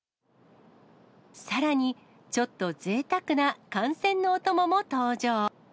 さらに、ちょっとぜいたくな観戦のお供も登場。